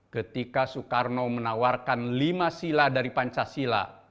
ketika soekarno menawarkan lima sila dari pancasila